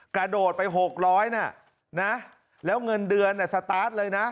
กระโดดไป๖๐๐น่ะนะแล้วเงินเดือนสตาร์ทเลยนะ